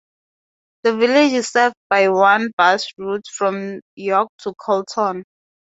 The village is served by one bus route from York to Colton.